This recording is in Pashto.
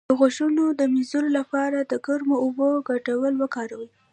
د غوږونو د مینځلو لپاره د ګرمو اوبو ګډول وکاروئ